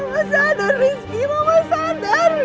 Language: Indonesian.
mama sadar rizky mama sadar